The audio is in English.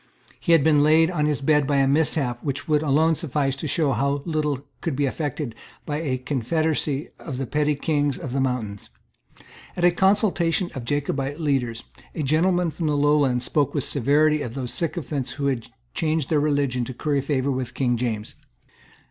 He had been laid on his bed by a mishap which would alone suffice to show how little could be effected by a confederacy of the petty kings of the mountains. At a consultation of the Jacobite leaders, a gentleman from the Lowlands spoke with severity of those sycophants who had changed their religion to curry favour with King James.